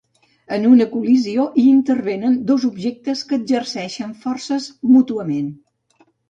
En una col·lisió hi intervenen dos objectes que exerceixen forces mútuament.